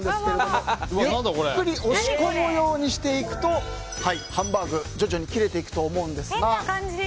ゆっくり押し込むようにしていくとハンバーグ徐々に切れていくと思うんですが。